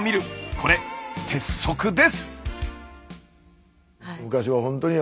これ鉄則です！